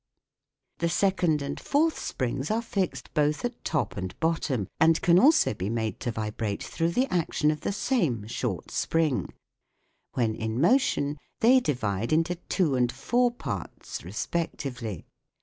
The second and fourth springs are fixed both at top and bottom, and can also be made to vibrate through the action of the same short spring : when in motion they divide into two and four parts respectively.